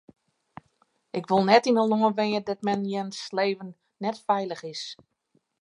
Ik wol net yn in lân wenje dêr't men jins libben net feilich is.